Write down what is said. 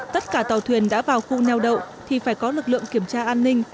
tất cả tàu thuyền đã vào khu neo đậu thì phải có lực lượng kiểm tra an ninh